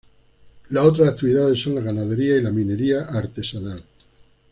Las otras actividades son la ganadería y la minería artesanal.